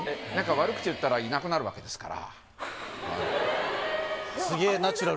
悪口言ったらいなくなるわけですから。